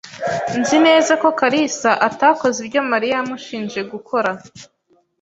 Nzi neza ko kalisa atakoze ibyo Mariya yamushinje gukora.